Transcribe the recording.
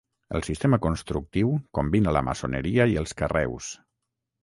El sistema constructiu combina la maçoneria i els carreus.